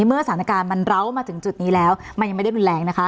เมื่อสถานการณ์มันเล้ามาถึงจุดนี้แล้วมันยังไม่ได้รุนแรงนะคะ